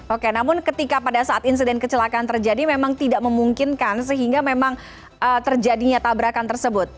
oke namun ketika pada saat insiden kecelakaan terjadi memang tidak memungkinkan sehingga memang terjadinya tabrakan tersebut